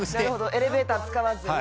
エレベーター使わずに。